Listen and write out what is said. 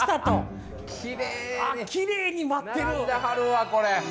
きれいに並んではるわこれ。